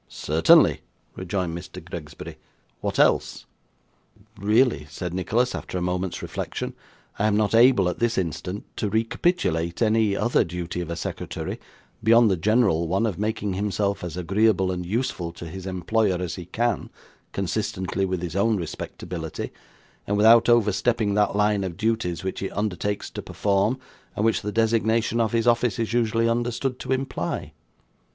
'Certainly,' rejoined Mr. Gregsbury. 'What else?' 'Really,' said Nicholas, after a moment's reflection, 'I am not able, at this instant, to recapitulate any other duty of a secretary, beyond the general one of making himself as agreeable and useful to his employer as he can, consistently with his own respectability, and without overstepping that line of duties which he undertakes to perform, and which the designation of his office is usually understood to imply.